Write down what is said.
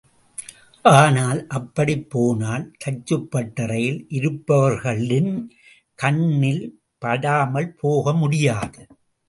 ஆனால், அப்படிப் போனால் தச்சுப்பட்டறையில் இருப்பவர்களின் கண்ணில் படாமல் போக முடியாது.